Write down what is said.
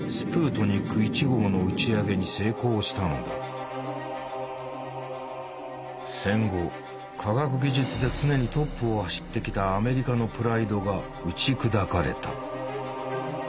ソ連が戦後科学技術で常にトップを走ってきたアメリカのプライドが打ち砕かれた。